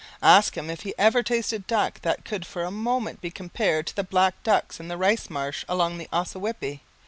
Ask him if he ever tasted duck that could for a moment be compared to the black ducks in the rice marsh along the Ossawippi.